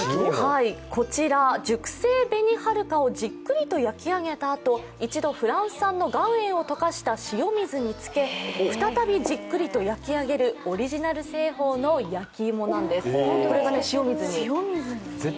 こちら、熟成べにはるかをじっくりと焼き上げたあと、一度フランス産の岩塩を溶かした塩水に漬け再びじっくりと焼き上げるオリジナル製法の焼き芋なんです。